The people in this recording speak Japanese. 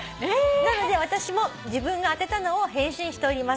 「なので私も自分が当てたのを返信しております」